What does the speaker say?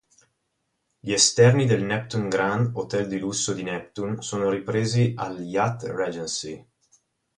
Gli esterni del Neptune Grand, hotel di lusso di Neptune, sono ripresi all'Hyatt Regency.